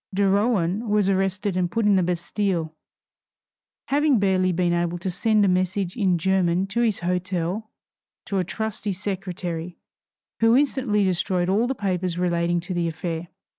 De Rohan was arrested and put in the Bastile, having barely been able to send a message in German to his hotel to a trusty secretary, who instantly destroyed all the papers relating to the affair.